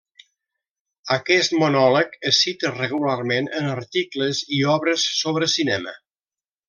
Aquest monòleg és cita regularment en articles i obres sobre cinema.